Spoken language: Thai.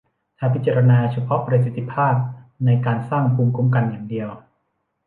ถ้าพิจารณาเฉพาะประสิทธิภาพในการสร้างภูมิคุ้มกันอย่างเดียว